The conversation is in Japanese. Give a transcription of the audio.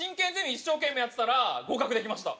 一生懸命やってたら合格できました。